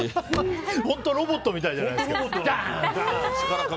本当ロボットみたいじゃないですか。